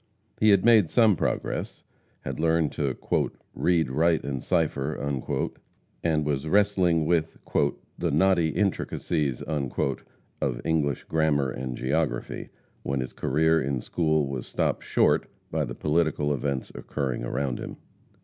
He had made some progress, had learned to "read, write and cipher," and was wrestling with "the knotty intricacies" of English Grammar and Geography, when his career in school was stopped short by the political events occurring about him.